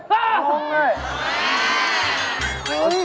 ประโยงไง